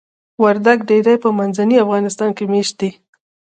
وردګ ډیری په منځني افغانستان کې میشت دي.